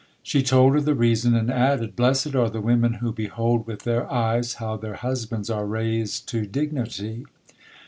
She told her the reason, and added, "Blessed are the women who behold with their eyes how their husbands are raised to dignity."